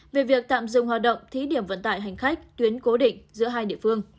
về việc tạm dừng hoạt động thí điểm vận tải hành khách tuyến cố định giữa hai địa phương